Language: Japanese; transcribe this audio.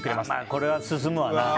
これは進むわな。